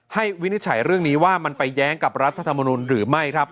วินิจฉัยเรื่องนี้ว่ามันไปแย้งกับรัฐธรรมนุนหรือไม่ครับ